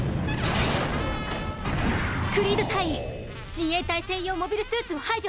クリード大尉親衛隊専用モビルスーツを排除。